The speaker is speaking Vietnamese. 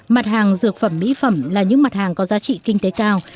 mặt hàng dược phẩm mỹ phẩm là những mặt hàng có giá trị kinh tế cao